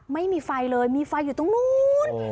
ไม่มีไฟเลยมีไฟอยู่ตรงนู้น